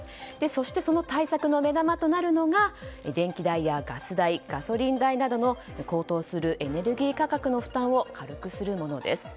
そして、その対策の目玉となるのが電気代やガス代ガソリン代などの高騰するエネルギー価格の負担を軽くするものです。